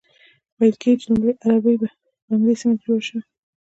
ویل کیږي چې لومړۍ اربۍ په همدې سیمه کې جوړه شوه.